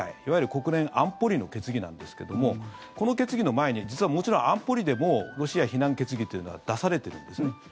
いわゆる国連安保理の決議なんですけどもこの決議の前に実はもちろん安保理でもロシア非難決議というのは出されているんですね。